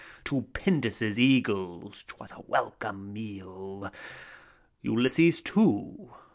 To Pindus' eagles *t was a welcome meal. Ulysses, too